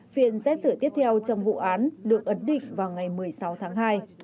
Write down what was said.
phiên xét xử tiếp theo trong vụ án được ấn định vào ngày một mươi sáu tháng hai